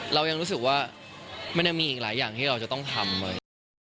เรายังรู้สึกว่ามันยังมีอีกหลายอย่างที่เราจะต้องทำไว้